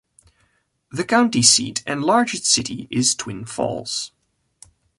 The county seat and largest city is Twin Falls.